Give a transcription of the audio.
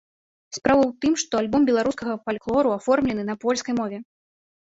Справа ў тым, што альбом беларускага фальклору аформлены на польскай мове.